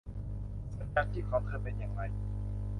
สัญญาณชีพของเธอเป็นอย่างไร